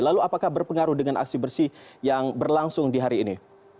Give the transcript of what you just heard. lalu apakah berpengaruh dengan aksi bersih yang berlangsung di hari ini